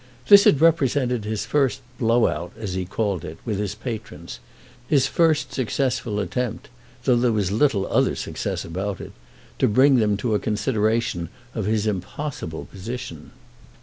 This had represented his first blow out, as he called it, with his patrons; his first successful attempt—though there was little other success about it—to bring them to a consideration of his impossible position.